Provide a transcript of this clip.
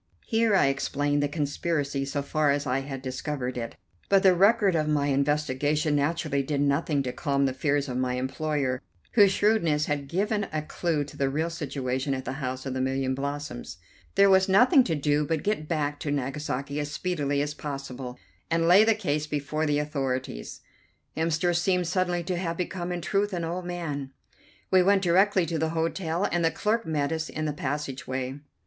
Here I explained the conspiracy so far as I had discovered it, but the record of my investigation naturally did nothing to calm the fears of my employer, whose shrewdness had given a clue to the real situation at the House of the Million Blossoms. There was nothing to do but get back to Nagasaki as speedily as possible, and lay the case before the authorities. Hemster seemed suddenly to have become in truth an old man. We went directly to the hotel, and the clerk met us in the passage way. "Mr.